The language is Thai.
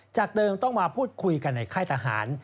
จากเดิมต้องมาพูดคุยกันในค่ายทหาร